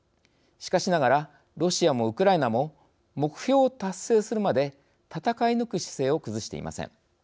しかしながらロシアもウクライナも目標を達成するまで戦い抜く姿勢を崩していません。